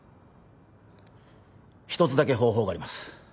１つだけ方法があります